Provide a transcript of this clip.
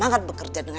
ini gambar kenal juga